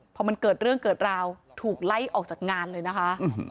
พอมันเกิดเรื่องเกิดราวถูกไล่ออกจากงานเลยนะคะ